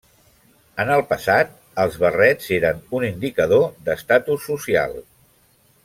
En el passat, els barrets eren un indicador d'estatus social.